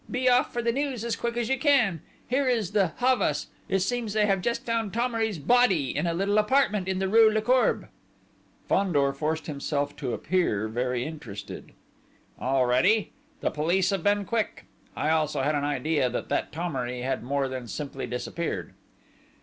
Be off for the news as quick as you can.... Here is the Havas. It seems they have just found Thomery's body in a little apartment in the rue Lecourbe." Fandor forced himself to appear very interested. "Already! The police have been quick!... I also had an idea that that Thomery had more than simply disappeared!"